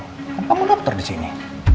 gampang mendokter disini